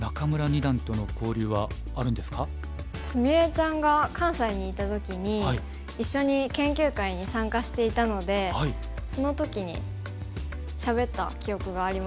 菫ちゃんが関西にいた時に一緒に研究会に参加していたのでその時にしゃべった記憶があります。